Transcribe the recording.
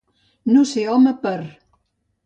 No ser home per.